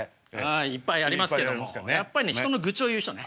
いっぱいありますけどもやっぱり人の愚痴を言う人ね。